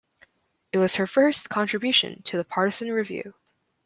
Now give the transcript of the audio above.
It was her first contribution to the "Partisan Review".